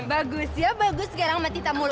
bagus ya bagus sekarang sama kita mulu